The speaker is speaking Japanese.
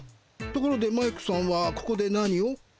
ところでマイクさんはここで何を？